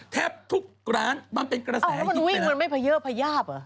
แทบทุกร้านมันเป็นกระแสหิด